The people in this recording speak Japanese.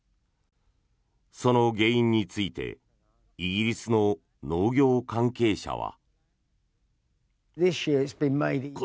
その原因についてイギリスの農業関係者は。